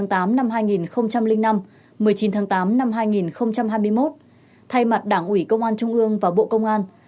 một mươi năm hai nghìn năm một mươi chín tháng tám năm hai nghìn hai mươi một thay mặt đảng ủy công an trung ương và bộ công an